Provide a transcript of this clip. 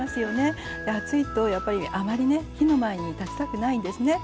で暑いとやっぱりあまりね火の前に立ちたくないんですね。